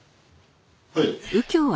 はい。